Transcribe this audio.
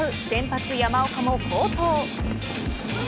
先発山岡も好投。